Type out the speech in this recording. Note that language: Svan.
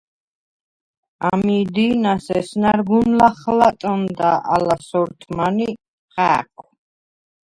ამი̄ დი̄ნას ესნა̈რ გუნ ლახლატჷნდა ალ სორთმან ი ხა̄̈ქუ̂: